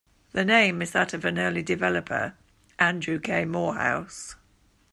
The name is that of an early developer, Andrew K. Morehouse.